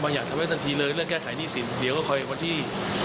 อยากทำให้ทันทีเลยเรื่องแก้ไขหนี้สินเดี๋ยวก็คอยวันที่